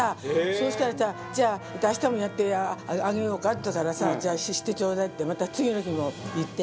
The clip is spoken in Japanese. そうしたらさ「じゃあ明日もやってあげようか」って言ったからさ「じゃあしてちょうだい」ってまた次の日も行って。